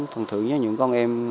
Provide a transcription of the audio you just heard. phần thưởng với những con em